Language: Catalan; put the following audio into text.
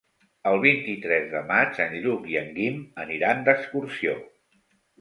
El vint-i-tres de maig en Lluc i en Guim aniran d'excursió.